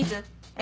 え？